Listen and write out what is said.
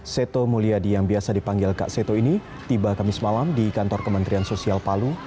seto mulyadi yang biasa dipanggil kak seto ini tiba kamis malam di kantor kementerian sosial palu